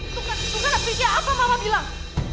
tunggu tunggu vicky apa mama bilang